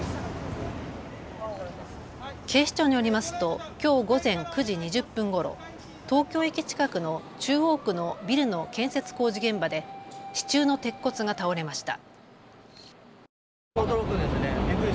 警視庁によりますときょう午前９時２０分ごろ、東京駅近くの中央区のビルの建設工事現場で支柱の鉄骨が倒れました。